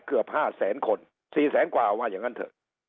เกือบ๕แสนคน๔แสนกว่าว่าอย่างนั้นเถอะ